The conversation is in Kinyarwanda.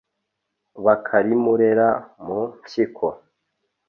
bakarimurera mu mpyiko